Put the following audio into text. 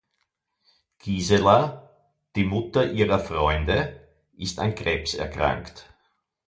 Gisela, die Mutter ihrer Freunde, ist an Krebs erkrankt.